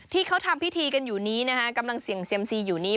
ที่เขาทำพิธีกันอยู่นี้นะคะกำลังเสี่ยงเซียมซีอยู่นี่